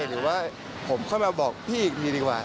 หรือว่าผมเข้ามาบอกพี่อีกทีดีกว่า